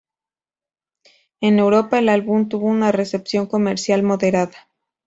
En Europa, el álbum tuvo una recepción comercial moderada.